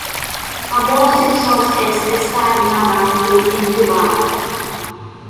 Ambos sexos se encargan de incubar.